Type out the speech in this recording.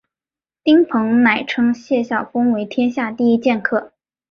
丁鹏仍称谢晓峰为天下第一剑客。